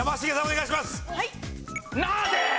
お願いします！